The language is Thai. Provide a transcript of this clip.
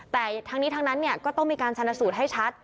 แต่ทั้งนี้ทั้งนั้นก็ต้องมีการชนสูตรให้ชัด